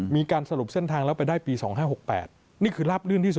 มีการสรุปเส้นทางแล้วไปได้ปี๒๕๖๘นี่คือราบลื่นที่สุด